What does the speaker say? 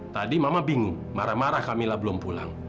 tadi mama bingung marah marah kamilah belum pulang